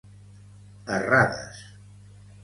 errades